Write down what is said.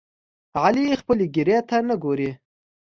علي خپلې ګیرې ته نه ګوري.